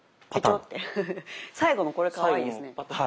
ペチョって最後のこれかわいいですね。